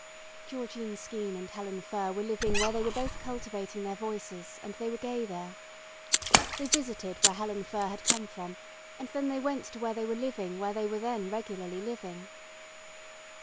Georgine Skeene and Helen Furr were living where they were both cultivating their voices and they were gay there. They visited where Helen Furr had come from and then they went to where they were living where they were then regularly living.